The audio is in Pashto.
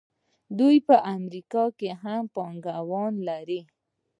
دوی په امریکا کې هم پانګونه لري.